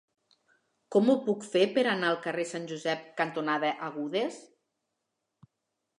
Com ho puc fer per anar al carrer Sant Josep cantonada Agudes?